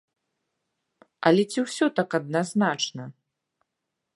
Але ці ўсё так адназначна?